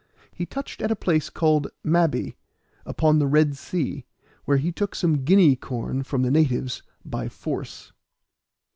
He touched at a place called Mabbee, upon the Red Sea, where he took some Guinea corn from the natives, by force.